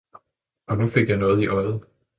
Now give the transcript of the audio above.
og nu fik jeg noget ind i øjet!